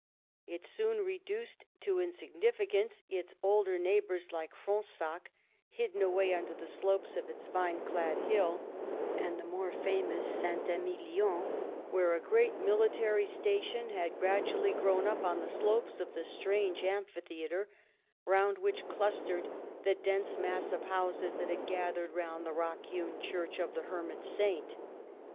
It soon reduced to insignifi cance its older neighbours, like Fronsac, hidden away under the slopes of its vine clad hill, and the more famous Saint Emilion, where a great military station had gradually grown up on the slopes of the strange amphitheatre, round which clustered the dense mass of houses that had gathered round the rock hewn church of the hermit saint.